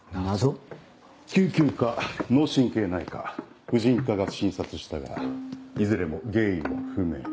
救急科脳神経内科婦人科が診察したがいずれも原因は不明。